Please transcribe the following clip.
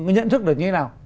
nhận thức được như thế nào